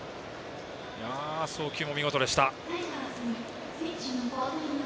送球も見事でした。